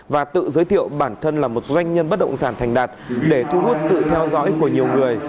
và tự giới thiệu bản thân là một doanh nhân bất động sản thành đạt để thu hút sự theo dõi của nhiều người